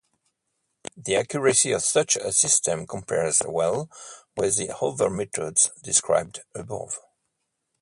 The accuracy of such a system compares well with the other methods described above.